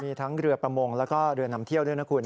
มีทั้งเรือประมงแล้วก็เรือนำเที่ยวด้วยนะคุณ